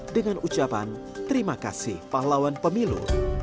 dengan ucapan terima kasih pahlawan pemilu